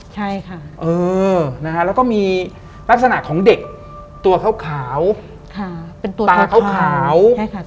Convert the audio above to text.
ใช่ค่ะแล้วก็มีลักษณะของเด็กตัวขาวตาขาวตัวเทาตาขาว